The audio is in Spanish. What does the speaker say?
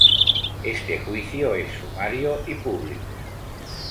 Este juicio es sumario y público.